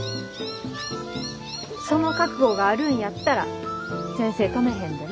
その覚悟があるんやったら先生止めへんでな。